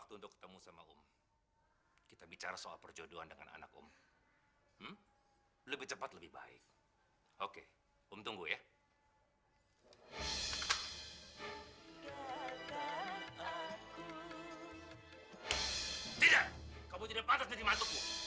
tidak kamu tidak pantas mencintai matuku